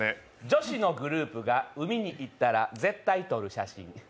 女子のグループが海に行ったら絶対撮る写真。